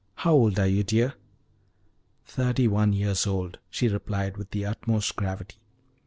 How old are you, dear?" "Thirty one years old," she replied, with the utmost gravity.